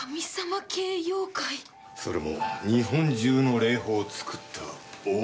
それも日本中の霊峰をつくった大物ね。